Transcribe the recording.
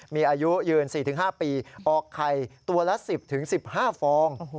มีอายุยืน๔๕ปีออกไข่ตัวละ๑๐๑๕ฟอง